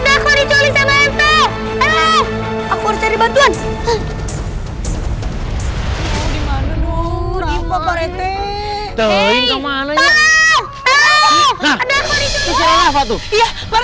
ada aku diculik sama mp aku harus cari bantuan